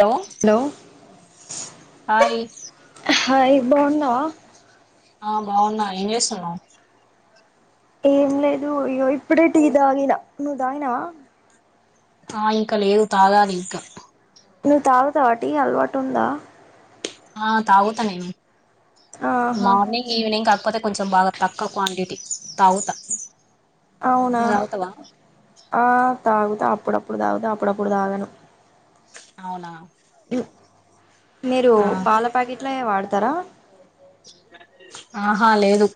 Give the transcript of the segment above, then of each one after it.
Hello hi hi బాగున్నావా ఆ బాగున్నా ఏమి చేస్తున్నావ్ ఏం లేదు య్యో ఇప్పుడే టీ తాగిన నువ్వు తాగినవా ఆ ఇంకా లేదు తాగాలి ఇంకా నువ్వు తాగుతావా టి అలవాటు ఉందా ఆ తాగుతా నేను ఆహా మార్నింగ్ ఈవెనింగ్ క కాకపోతే కొంచెం బాగా తక్కువ క్వాంటిటీ తాగుత అవునా ఆ తాగు అప్పుడప్పుడు తాగుతా అప్పుడప్పుడు తాగను అవునా ఉమ్, మీరు ఆ పాల ప్యాకెట్ ట్లే వాడతారా ఆహా లేదు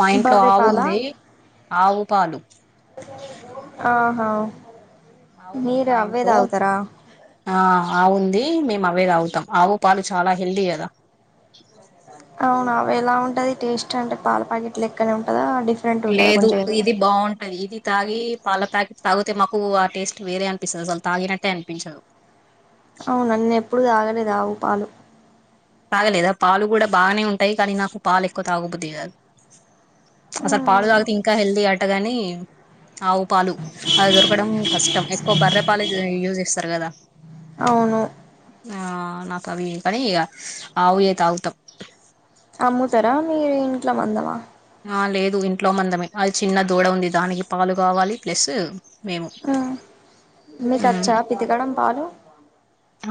మా ఇంట్లో బర్రె ఆవు పాలా ఉంది ఆవు పాలు ఆ ఆవు వుంది మా ఇంట్లో ఆ ఆవు ఉంది మేము అవే తాగుతాం ఆవు పాలు చాలా హెల్ది కదా అవునా అవి ఎలా ఉంటాయి టేస్ట్ అంటే పాల ప్యాకెట్ లెక్కనే ఉంటాయా లేదు ఇది బాగుంటది ఇది తాగి పాల ప్యాకెట్ తాగితే మాకు ఆ టేస్ట్ వేరే అనిపిస్తది అసలు తాగినట్టే అనిపించదు అవునా నేను ఎప్పుడు తాగలేదు ఆవుపాలు తాగలేదా పాలు గూ డా బాగానే ఉంటాయి కానీ నాకు పాలు ఎక్కువ తాగ బుద్ది కాదు అసలు పాలు ఉమ్, తాగితే ఇంకా హెల్తీ లైఫ్ అట్టగాని ఆవు పాలు అది దొరకడం కష్టం ఎక్కువ బర్రె పాలు యూజ్ చేస్తారు కదా అవును ఆ నాకు అవి పది ఆవు వే తాగుతాం అమ్ముతారా మీరు ఇంట్లో మందమా లేదు ఇంట్లో మందమే అది చిన్న దూడ ఉంది దానికి పాలు గావాలి ప్లస్ మేము ఆ మీకు మ్మ్ అచ్చా పితకడం పాలు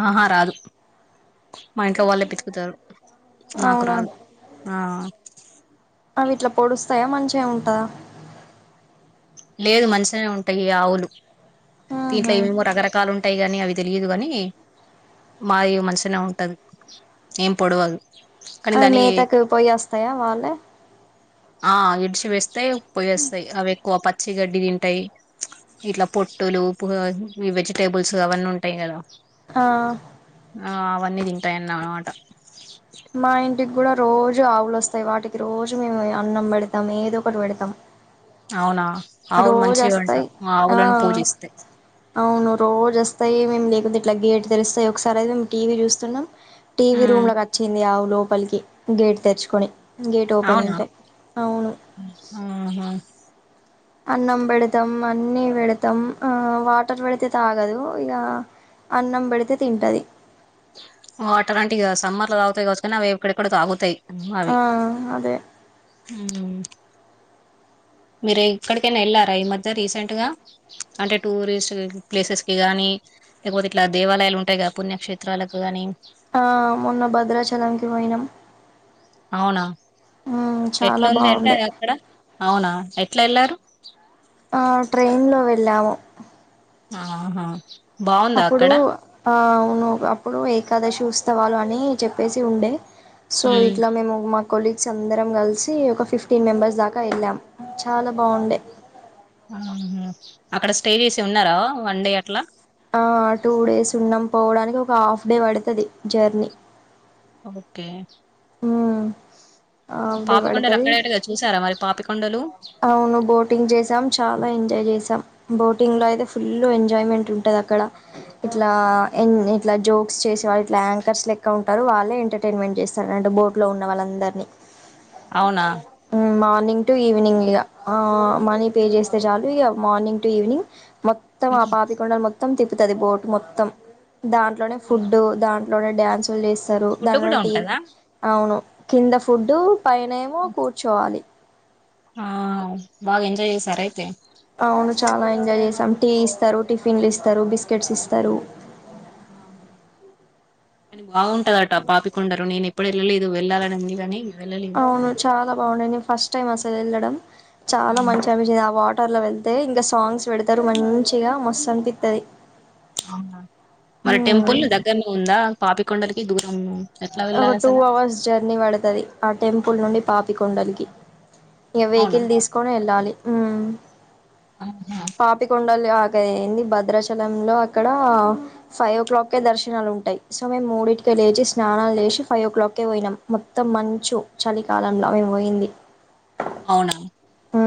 ఆహా రాదు మా ఇంట్లో వాళ్ళే పితుకుతారు నాకు అవునా రాదు ఆ అవి ఇట్లా పొడుస్తాయా మంచిగా ఉంటందా లేదు మంచిగానే ఉంటాయి ఆవులు దీంట్లో ఆహా ఏమో రకరకాలు ఉంటాయి గానీ అవి తెలియదు గాని మాయి మంచిగనే ఉంటది ఏం పొడవదు కానీ అవి దాని మేతకు పోయేస్తాయా వాళ్ళే ఆ ఇడ్సి వేస్తాయి పోయ్యొస్తయి అవేకు ప పచ్చిగడ్డి తింటాయి ఇట్లా పొట్టులు ఈ వెజిటేబుల్స్ అవన్నీ ఉంటాయి కదా ఆ ఆ అవన్నీ తింటాయన్నమాట మా ఇండ్ ఇంటికి కూడా రోజు ఆవులు వస్తాయి. వాటికి రోజు మేము అన్నం పెడతాం, ఏదో ఒకటి పెడతాం. అవునా ఆవులు రోజ మంచివంట వస్తాయి. ఆ ఆవులను పూజిస్తే అవును రోజ వస్తా వస్తాయి మేము లేకుపోతే ఇట్లాగ గేటు తెలుస్తా ఒకసారి అ మేము టీవీ చూస్తున్నాం. టీవీ రూమ్ ఉమ్ లకు వచ్చింది ఆవులు లోపలికి గేట్ తెరుచుకొని గేట్ ఓపెన్ అవునా ఉంటాయి అవును ఆహా అన్నం పెడతాం, అన్ని పెడతాం ఆ వాటర్ పెడితే తాగదు. ఇక అన్నం పెడితే తింటది. ఓ అట్లాంటి ఇ సమ్మర్ లో తాగుతాయి కావచ్చు. కాని అవి ఇక్కడ కూడా తాగుతాయి. ఆ అదే ఉహు మీరు ఎక్కడికైనా వెళ్ళారా ఈ మధ్య రీసెంట్ గా అంటే టూరిస్ట్ ప్లేసెస్ కి, గానీ లేకపోతే ఇట్లా దేవాలయాలు ఉంటాయి. పుణ్యక్షేత్రాలకు గాని ఆ మొన్న భద్రాచలానికి పోయినాం. అవునా ఉమ్, చాలా ఎట్లాంది అంటే బాగుండే అక్కడ అవునా ఎ ఇట్లా వెళ్లారు ఆ ట్రెయిన్ లో వెళ్లాము. ఆహా బాగుందా అప్పుడు అక్కడ ఆ అప్పుడు ఏకాదశి ఉత్సవాలు అని చెప్పేసి ఉండే సో ఉమ్ ఇట్లా మేము మా కొలీగ్స్ అందరం కలిసి ఒక ఫిఫ్టీన్ మెంబర్స్ దాకా వెళ్ళాం చాలా బాగుండే. ఆహ అక్కడ స్టే చేసి ఉన్నారా వన్ డే అట్లా టూ డేస్ ఉన్నాం పోవడానికి ఒక హాఫ్ డే పడుతది జర్నీ. ఓకే ఉ పాపికొండలు అక్కడేటగా చూసారా మరి పాపిక అవును బోటింగ్ చేసాం, చాలా ఎంజాయ్ చేసాం. బోటింగ్ లో అయితే ఫుల్ ఎంజాయ్మెంట్ ఉంటది అక్కడ. ఇట్లా ఎ ఇట్లా జోక్స్ చేసే వాళ్ళు ఇట్లా యాంకర్స్ లెక్క ఉంటారు. వాళ్ళే ఎంటర్టైన్మెంట్ చేస్తారంట బోట్ లో ఉన్న వాళ్ళందరిని. అవునా మార్నింగ్ టు ఈవినింగ్ ఇక మనీ పే చేస్తే చాలు ఇక మార్నింగ్ టు ఈవినింగ్. మొత్తం ఆ ఉమ్. పాపికొండలు మొత్తం మొత్తం తిప్పుతది బోటు మొత్తం దాంట్లోనే అవునా ఫుడ్ దా లోన డాన్స్ లేస్తారు ఫుడ్ దాట్లనే కూడా టివి ఉంటదా అవును కింద ఫుడ్ పైనేమో కూర్చోవాలి ఆ బాగా ఎంజాయ్ చేశార అయితే అవును చాలా ఎంజాయ్ చేసాం టీ ఇస్తారు టిఫిన్లు ఇస్తారు బిస్కెట్స్ ఇస్తారు ఆహా కానీ బాగుంటదట పాపికండలు నేను ఎప్పుడ వెళ్ళలేదు వెళ్ళాలని ఉంది గాని అవును చాలా బాగున్నాయి నేను ఫస్ట్ టైమ్ అస లెళ్లడం చాలా ఆహా. మంచి అనిించింది ఆ వాట్ టర్ లో వెళ్తే ఇంకా సాంగ్స్ పెడతారు మంచిగా మస్తు అనిపిస్తది మరి టెంపుల్ దగ్గరనే ఉందా పాపికొండల దూరం ఎట్లా ఒక వెళ్ళాలి టూ అసలు అవర్స్ జర్నీ పడతది ఆ టెంపుల్ నుండి పాపి ొండలకి ఇగ అవునా వెహికల్ తీసుకొని వెళ్ళాలి హు ఆహా డాలు అక్కడ ఏంది భద్రాచలంలో అక్కడ ఫైవ్ ఓ క్లాక్ కే దర్శనాలు ఉంటాయి సో మేము మూడింటికే లేచి స్నానలు చెసి ఫైవ్ ఓ క్లాక్కే పోయినాం మొత్తం మంచు చలికాలంలో మీము పోయింది అవునా హ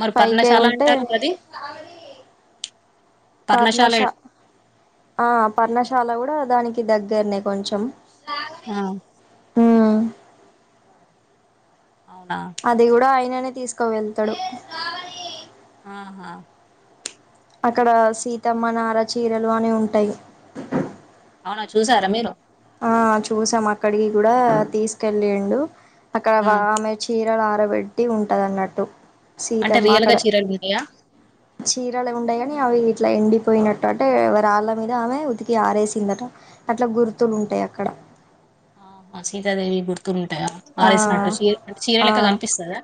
మరి పర్ణశాల అంటారు అది పర్ణశాల ఎ పర్ణశా ఆ పర్ణశాల కూడా దానికి దగ్గరనే కొంచెం ఆ ఉమ్ అవునా అదిే కూడా అయననే తీసుక వెళ్తాడు ఆహా అక్కడ సీతమ్మ నార చీరలు అని ఉంటాయి అవునా చూసారా మీరు అ చూసాం అక్కడికి కూడా తీసుకెల్లిండు అక్కడ ఆ! వా ఆమె చీరలు ఆర పెట్టి ఉంటదన్నట్టు అంటే రియల్ గా చీరలు ఉంటాయా చీరలు ఉండాయి కాని అవి ఇట్లా ఎండిపోయినట్టు అంటే ఎ రాళ్ళ మీద ఆమె ఉతికి ఆరేసిందట అట్లా గుర్తు తులు ఉంటాయి అక్కడ ఆ సీతదేవీ గుర్త్ ఆ ఆ లెక్క కనిపిస్తదా?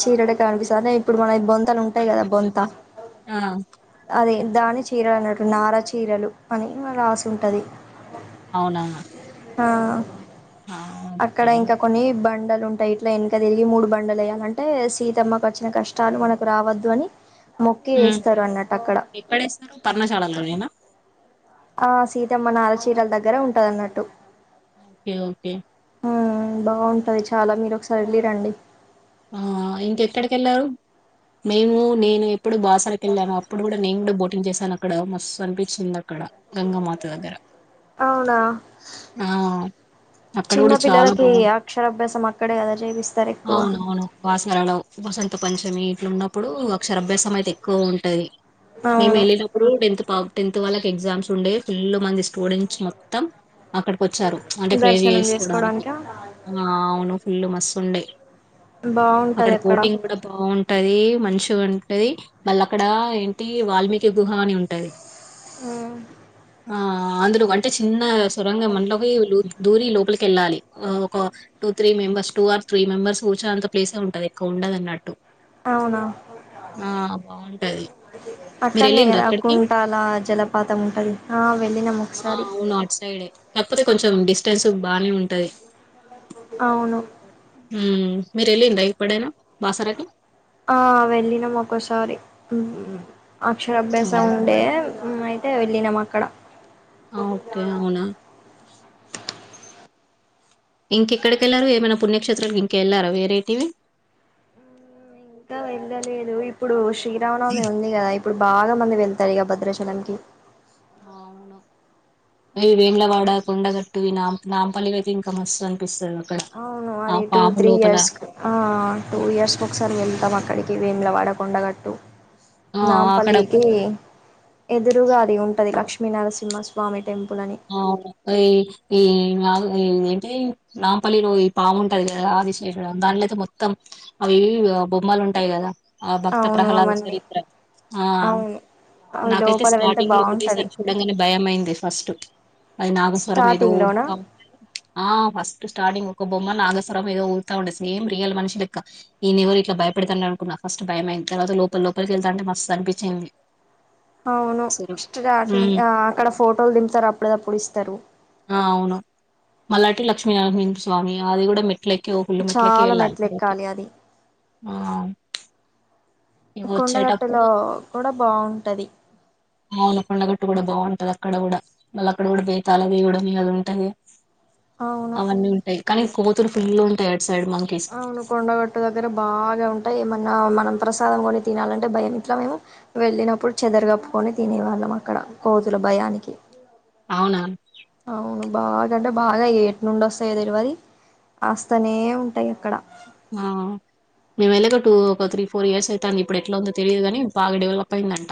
చీరటే కనిపిస్తరే అంటే ఇప్పుడు మన బొం ఆడ ఉంటాయి కదా బొంత ఆ అదే దాని చీరలు అన్నట్టు నారా చీరలు అని ఏమో రాషుంటది అవునా ఆ ఆ! అక్కడ ఓకే. ఇంకా కొన్ని బం బండలు ఉంటాయి ఇట్లా వెనక తిరిగి మూడు బండలు వయ్యాలంటే సీతమ్మకు వచ్చిన కష్టాలు మనకు రావద్దు అని మొక్కి ఉమ్ వేస్తారు అన్నట్టు అక్కడ ఎక్కడేస్తారు పర్ణశాలల్లోనేన ఆ సీతమ్మ నాలచీరల దగ్గరే ఉంటద అన్నట్టు ఓకే ఓ ఉమ్ బాగుంటది చాలా మీరు ఒకసారి వెళ్ళి రండి ఆ ఇంకెక్కడికెళ్ళారు మేము నేను ఇప్పుడు బాసరకెళ్ళాను అప్పుడు కూడా నేను కూడా బోటింగ్ జేశాను అక్కడ మస్తు అనిపించింది అక్కడ గంగమాత దగ్గర అవునా ఆ! అక్కడ చిన్న గూడా చాలా పిల్లలకి బావుం అక్షరాభ్యాసం అక్కడే కదా చేపిస్తారు ఎక్కువ వాసరలో వసంత పంచమి ఇట్లు ఉన్నప్పుడు అక్షర అభ్యాసం అయితే ఎక్కువ ఉంటది మేము అవును ఎళ్ళినప్పుడు డెంత్ పామ్ టెన్త్ వాళ్ళకి ఎగ్జామ్స్ ఉండేయ ఫుల్లు మంది స్టూడెంట్స్ మొత్తం అక్కడికి ఒచ్చారు అంటే ప్రేర్ దర్శనం చేసుకోవడానికి చేసుకోవడానిక ఆ అవును ఫుల్ మ సండే అక్కడ బోటింగ్ కూడా బాగుంటది మంచు టది మళ్ళ అక్కడ ఏంటి వాల్మీకి గుహ అని ఉంటది ఆ ఆ అందులో అంటే చిన్న సొరంగం మండలోకి లురు దూరి లోపలికి ఎళ్ళాలి ఆ ఒక two three members two or three members సూచాంత ప్లేసే ఉంటది ఎక్ ఉండదు అన్నట్టు అవునా ఆ బాగుంటది మీరు అక్కడనే వెళ్ళిండ్ర కదా అక్కడికి కుంటాల జలపాతం ఉంటది ఆ వెళ్ళినం ఆ ఒకసారి తెల్సు బానే ఉంటది అవును మ్మ్ మీరు ఎలిండ్రా ఇప్పుడైనా బాసరకి ఆ వెళ్ళినము ఒక్కసారి అక్షరాభ్యాస అవునా ఉండే అ టె వెళ్ళినమక్కడ అ ఓకే అవునా ఇంకెక్కడికి వెళ్లారు ఏమైనా పుణ్యక్షేత్రకి ఇంకెళ్లారా వేరైతేవి ఇంకా వెళ్ళలేదు ఇప్పుడు శ్రీరావనవమి ఉంది కదా ఇప్పుడు బాగా మంది వెళ్తారు ఇక భద్రాచలంకి అవును అ వేంలవాడ కొండగట్టు నా నాంపల్లిక అయితే ఇంకా మస్తు అనిపిస్తుంది అవును అది టూ త్రీ ఇయర్స్ ఆ టూ ఇయర్స్ ఒకసారి వెళ్తాం అక్కడికి క వీముల వాడకొండగట్టు ఆ అక్కడ నాపల్లికి ఎదురుగాలి ఉంటది కక్ష్ లక్ష్మీ నరసింహస్వామి టెంపుల్ అని ఆయి ఈ ఏంటి నాంపల్లిలో ఈ పాము ఉంటది కదా అది శేషుడు దానిలోయితే మొత్తం అవి బొమ్మలు ఉంటాయి కదా ఆ భక్త అవును ప్రహ్లాద అవన్నీ చరిత్ర ఆ అవును అవి నాకైతే లోపల వెళ్తే స్టార్టింగ్ లో బాగుంటది ఒకటిసారి చూడంగానే భయం అయింది ఫస్ట్ అది నాగస్వరం ఏదో స్టార్టింగ్ లోనా ఫస్ స్ అది ఒక బొమ్మ నాగస్రం ఏదోఊతా ఉండంది స ఏం రియల్ మనుషులక్క ఈ నెవరు ఇలా భయపడతా అకున్నా ఫస్ట్ భయ అయింది తర్వాత లోపల లోపలికి వెళ్తాంటే మ అనిపించింది అవును అసలు ఉమ్ స్టార్టింగ్ ఆ అక్కడ ఫోటోలు దింపుతారు అప్పుడు పప్పుడు ఇస్తారు మలాటి లక్ష్మీనారసింహస్వామి అది కూడా మె ఇట్ల ఎక్కి గుళ్ళ మెట్లు ఎక్కి చాలా వెళ్ళాలి మెట్లు ఎక్కాలి అది ఇగ వచ్చేటప్పుడు కొండగట్టలో కూడా బాగుంటది అవును కొండగట్టు కూడా బాగుంటది అక్కడ కూడా మళ్ళ అక్కడ కూడా బేతాల దేగడ మీ అది ఉంటది అవును అవన్నీ ఉంటాయి కనీ కోతులు ఫుల్లు ఉంటాయ అవును కొండగట్టు దగ్గర బాగా ఉంటాయి ఏమన్నా మనం ప్రసాదం కొని తినాలంటే భయం ఇట్లా మేము వెళ్ళినప్పుడు చెదర కప్పుకొని తినేవాళ్ళం అక్కడ కోతుల భయానికి అవునా అవును బాగాంటే బాగా ఎటి నుండి వస్తాయి తెరువరి ఆస్తనే ఉంటాయి అక్కడ ఆ మేము వెళ్ళగా టూ ఒక త్రీ ఫోర్ ఇయర్ అవుయింది ఇప్పుడు ఎట్లా ఉందో తెలియదుగాని బాగా డెవలప్ అయిిందంట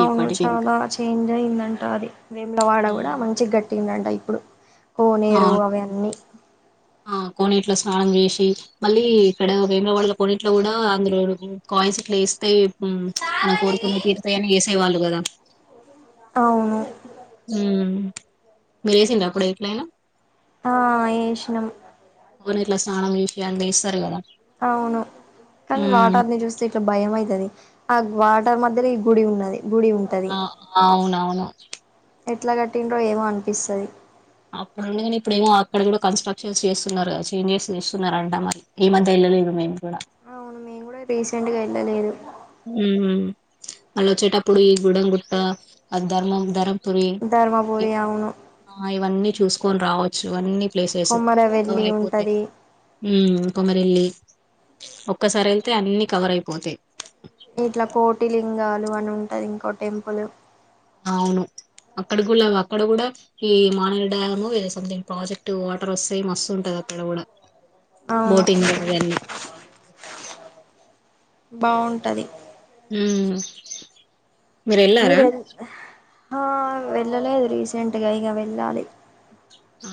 అవును చాలా చేంజ్ అయింది అంటా అది వేముల వాడ కూడా మంచి గట్టిందంట ఇప్పుడు ఆ కోనేరు అవన్నీ కొన్నిట్లో స్నానం చేసి మళ్ళీ ఇక్కడ వేములవాడ కొన్నిట్లో కూడా అందులో కాయిన్స్ ఇట్లా వేస్తాయి మనం కోరుకునాయి తీరుత వాళు కదా అవును ఉ మీరు వేసింది అప్పుడ ఎట్లయినా ఆ ఏశినం కొనెట్లో సానం చేసి అందులో ఎస్తారు కదా అవును కానీ మ్మ్ వాటర్ ని చూస్తే ఇట్లా భయం అయితుది అగ్ వాట ర్ మధ్యర ఈ గుడి ఉన్నది. గుడి ఉంటది అ అవునవును. ఎట్లా కట్టిండ్రో ఏమో అనిపిస్తది. అప్పుడుండే కాని ఇప్పుడ ఏమో అక్కడ కూడా కన్స్ట్రక్షన్స్ చేస్తున్నరుగ చేంజెస్ చేస్తున్నారంట మరి ఏ మధ్య వెళ్ళలేదు మేము కూడా అవును మేం కూడా రీసెంట్గా ఎల్లలేదు. ఊహు మళ్ళ వచ్చేటప్పుడు ఈ గుడం గుట్ట ఆ ధర్మం ధరం పురి ధర్మపురి అవును ఆ ఇవన్నీ చూసు కోని రావచ్చు అన్నీ కొమ్మర వెల్లి ఉంటది. ఊ కొమ్మర వేల్లి ఒక్కసారి వెళ్తే అన్ని కవర్ అయిపోతాయి. లోవన ఉంటది ఇంకో టెంపుల్ అవును అక్కడ కూడా అక్కడ కూడా ఈ మానేరి డ్యాము ఇద సంథింగ్ ప్రాజెక్ట్ వాటర్ వస్తే మస్తు ఉంటది అక్కడ కూడా అవును బోటింగ్ అవన్నీ బాగుంటది. ఊ మీరెల్ ఆ వెళ్ళలేదు రీసెంట్గా ఇగ వెళ్ళాలి. ఆ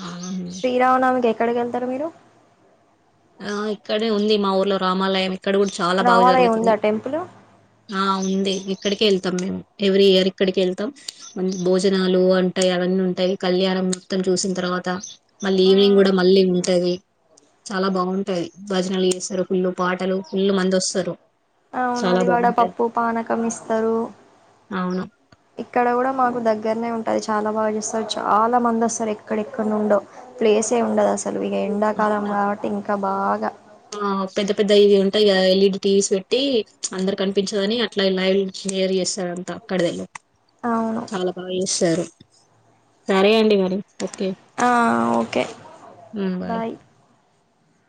శ్రీరామనామి కి ఎక్కడికి వెళ్తారు మీరు ఆ ఇక్కడే ఉంది మా ఊర్లో రామాలయమే ఇక్కడ కూడా చాలా బాగా రామాలయం జరుగుతుది ఉందా టెంపుల్ ఆ ఉ ఇక్కడిక వెళ్తాం మేము ఎవ్రీ ఇయర్ ఇక్కడికి వెళ్తాం మన్ భోజనాలు అంటాయి అవన్నీ ఉంటాయి కళ్యాణం మొత్తం చూసిన తర్వాత మళ్ళీ ఆ ఈవినింగ్ కూడా మళ్ళీ ఉంటది. చాలా బాగుంటాది భజనలు చేస్తారు ఫుల్లు పాటలు ఫుల్లు మంద్ వస్తారు. అవును చాలా అదిగాడ బాగుంటాయి పప్పు పానకం ఇస్తారు అవును ఇక్కడ కూడా మాకు దగ్గర దగ్గరనే ఉంటది చాలా బాగా చస్తారు చాలా మంది వస్తారు. ఎక్కడెక్కడ నుండో ప్లేసే ఉండదు అస సలు ఇక ఎండాకాలం అవునా కాబట్టి ఇంకా బాగా ఆ పెద్ద పెద్ద ఇది ఉంటాయి కదా ఎల్ఈడి టీవీస్ పెట్టి అందరు కనిపించదని అట్లా లైవ్ హీయర్ చేస్తారు అంత అక్కడిదళ్ళ అవును చాలా బాగా చేస్తారు. సరే అండి మరి ఓ ఆ ఓకే బాయ్